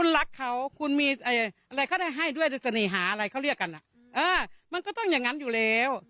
หาอะไรเค้าเรียกกันอะมันก็ต้องอย่างงั้นอยู่แล้ว